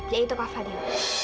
yaitu kak fadil